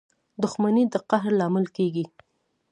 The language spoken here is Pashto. • دښمني د قهر لامل کېږي.